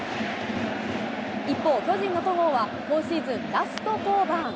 一方、巨人の戸郷は今シーズン、ラスト登板。